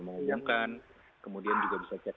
menghubungkan kemudian juga bisa cek